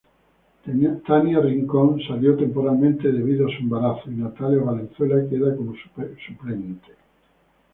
Tania Rincón salió temporalmente debido a su embarazo, y Natalia Valenzuela queda como suplente.